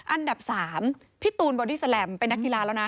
อันดับ๓พี่ตูนบอดี้แลมเป็นนักกีฬาแล้วนะ